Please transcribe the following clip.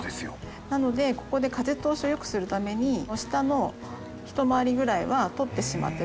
なのでここで風通しを良くするために下の一回りぐらいは取ってしまって大丈夫なんですね。